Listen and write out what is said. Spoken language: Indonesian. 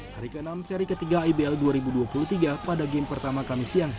hari ke enam seri ketiga ibl dua ribu dua puluh tiga pada game pertama kami siang